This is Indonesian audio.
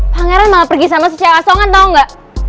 pangeran malah pergi sama si cewek asongan tau gak